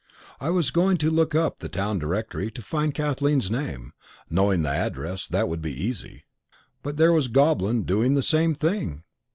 I was going to look up the town directory, to find Kathleen's name knowing the address, that would be easy. But there was Goblin doing the same thing!